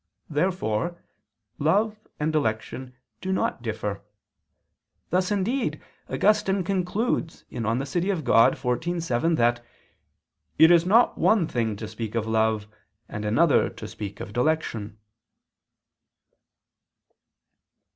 Therefore love and dilection do not differ: thus indeed Augustine concludes (De Civ. Dei xiv, 7) that "it is not one thing to speak of love, and another to speak of dilection."